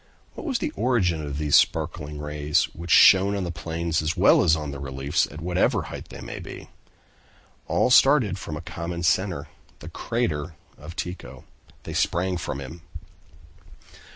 What was the origin of these sparkling rays, which shone on the plains as well as on the reliefs, at whatever height they might be? All started from a common center, the crater of Tycho. They sprang from him.